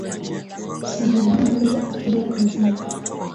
Sijamwona leo akija kazini